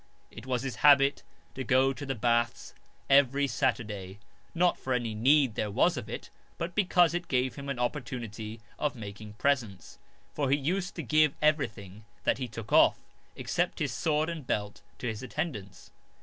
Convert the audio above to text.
It was his habit to go to the baths every Saturday, not for any need there was of it, but because it gave him an opportunity of making presents ; for he used to give everything that he took off, except his sword and belt, to his attendants.